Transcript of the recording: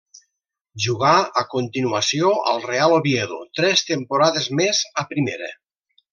Jugà a continuació al Real Oviedo, tres temporades més a Primera.